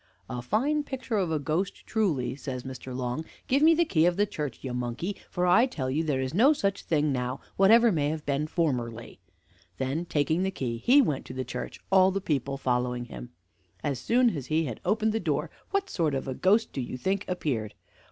"A fine picture of a ghost, truly," says Mr. Long; "give me the key of the church, you monkey, for I tell you there is no such thing now, whatever may have been formerly." Then taking the key, he went to the church, all the people following him. As soon as he had opened the door, what sort of a ghost do you think appeared?